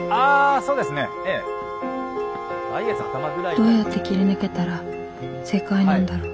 どうやって切り抜けたら正解なんだろうわ。